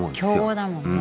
強豪だもんね。